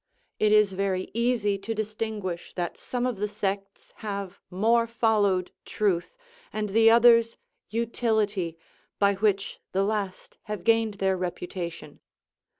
It is very easy to distinguish that some of the sects have more followed truth, and the others utility, by which the last have gained their reputation.